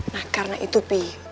nah karena itu pi